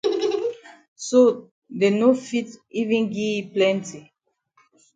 So dey no fit even gi yi plenti.